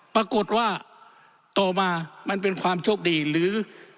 ปรากฏว่าต่อมามันเป็นความโชคดีหรือ